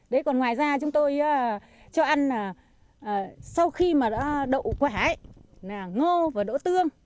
đấy còn ngoài ra chúng tôi cho ăn sau khi mà đã đậu quả ngô và đỗ tương